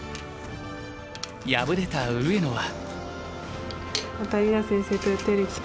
敗れた上野は。